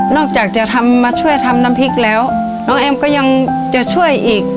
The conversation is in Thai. จากจะมาช่วยทำน้ำพริกแล้วน้องแอมก็ยังจะช่วยอีก